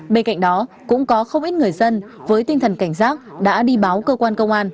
bên cạnh đó cũng có không ít người dân với tinh thần cảnh giác đã đi báo cơ quan công an